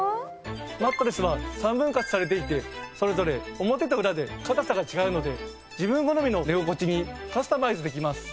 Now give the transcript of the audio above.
マットレスは３分割されていてそれぞれ表と裏で硬さが違うので自分好みの寝心地にカスタマイズできます。